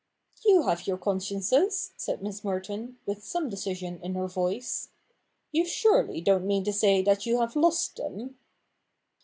'' You have your consciences,' said ^Nliss Merton, with some decision in her voice ;' you surely don't mean to say that you have lost them